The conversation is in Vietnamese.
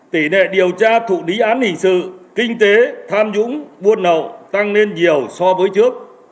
tỉ nệ điều tra thụ lý án hình sự kinh tế tham dũng buôn nậu tăng lên nhiều so với trước